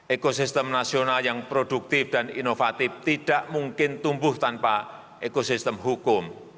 ekosistem nasional yang produktif dan inovatif tidak mungkin tumbuh tanpa ekosistem hukum